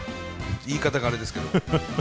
言い方があれですけども。